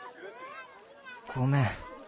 ごめん。